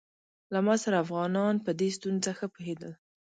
له ما سره افغانان په دې ستونزه ښه پوهېدل.